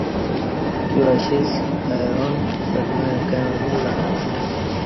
تیو اسیش حیران پرمع کایوں نہ ز عݩلہ